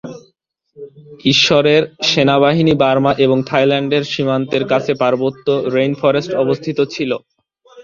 ঈশ্বরের সেনাবাহিনী বার্মা ও থাইল্যান্ডের সীমান্তের কাছে পার্বত্য রেইনফরেস্টে অবস্থিত ছিল।